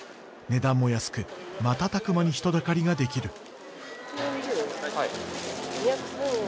値段も安く瞬く間に人だかりができる。